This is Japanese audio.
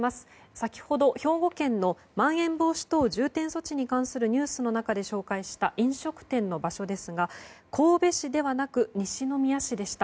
先ほど、兵庫県のまん延防止等重点措置に関するニュースの中で紹介した飲食店の場所ですが神戸市ではなく西宮市でした。